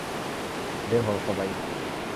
বের হও, সবাই!